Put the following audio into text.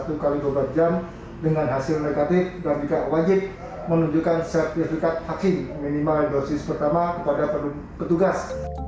dengan hasil negatif dan juga wajib menunjukkan sertifikat vaksin minimal dosis pertama kepada petugas